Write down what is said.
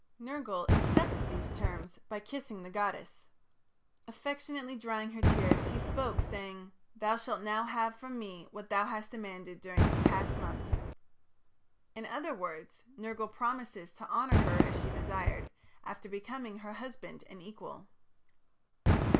Nergal accepted these terms by kissing the goddess. Affectionately drying her tears, he spoke, saying: "Thou shalt now have from me what thou hast demanded during these past months." In other words, Nergal promises to honour her as she desired, after becoming her husband and equal.